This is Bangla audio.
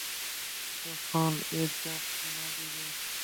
যখন এ চাপ না দিবে।